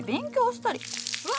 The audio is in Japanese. うわ！